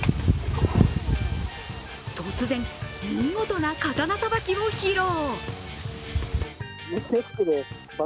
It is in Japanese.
突然、見事な刀さばきを披露。